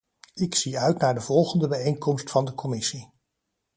Ik zie uit naar de volgende bijeenkomst van de commissie.